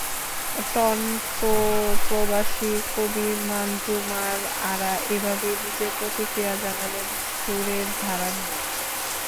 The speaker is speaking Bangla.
টরন্টোপ্রবাসী কবি মানজু মান আরা এভাবেই নিজের প্রতিক্রিয়া জানালেন সুরের ধারা নিয়ে।